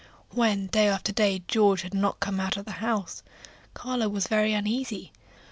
When day after day George came not out of the house, Carlo was very uneasy.